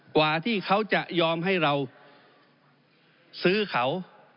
กว่าที่เขาจะยอมให้เราซื้อเขา